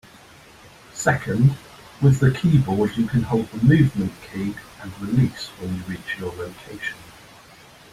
Second, with a keyboard you can hold a movement key and release when you reach your location.